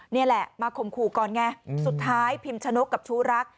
นี่แหละมาข่มขู่ก่อนไงสุดท้ายพิมชะนกกับชู้รัก